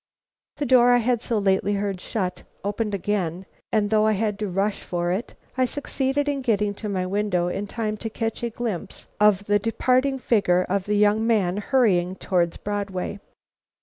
The door I had so lately heard shut, opened again, and though I had to rush for it, I succeeded in getting to my window in time to catch a glimpse of the departing figure of the young man hurrying away towards Broadway.